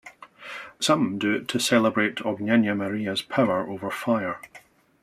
Some do it to celebrate Ognyena Maria's power over fire.